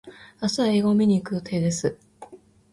明日は映画を見に行く予定です。